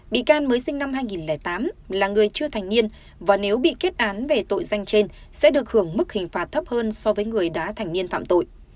bị can mới sinh năm hai nghìn tám là người chưa thành niên và nếu bị kết án về tội danh trên sẽ được hưởng mức hình phạt thấp hơn so với người đã thành niên phạm tội